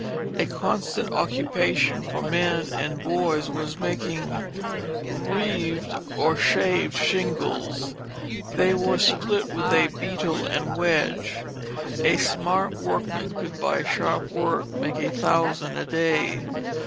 A constant occupation for men and boys was making rived or shaved shingles. They were split with a beetle and wedge. A smart workman could by sharp work make a thousand a day.